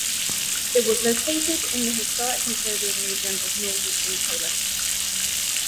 It was located in the historic Masovian region of northeastern Poland.